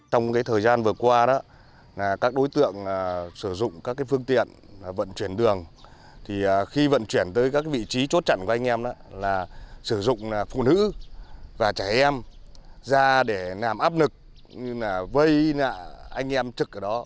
trong thời gian vừa qua các đối tượng sử dụng các phương tiện vận chuyển đường khi vận chuyển tới các vị trí chốt trẳng của anh em sử dụng phụ nữ và trẻ em ra để làm áp lực vây anh em trực ở đó